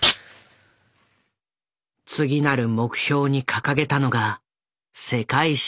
次なる目標に掲げたのが世界進出。